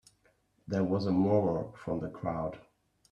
There was a murmur from the crowd.